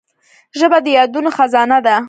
ژبه د یادونو خزانه ده